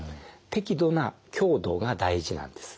適度な強度が大事なんです。